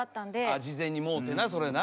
ああ事前にもうてなそれな。